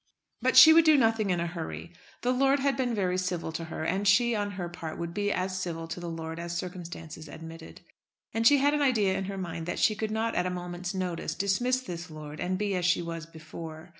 But she would do nothing in a hurry. The lord had been very civil to her, and she, on her part, would be as civil to the lord as circumstances admitted. And she had an idea in her mind that she could not at a moment's notice dismiss this lord and be as she was before.